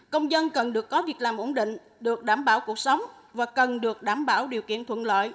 công dân cần được có việc làm ổn định được đảm bảo cuộc sống và cần được đảm bảo điều kiện thuận lợi